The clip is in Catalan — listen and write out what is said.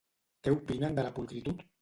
Què opinen de la pulcritud?